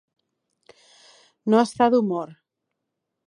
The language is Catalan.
No estar d'humor.